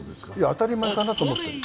当たり前かなと思って。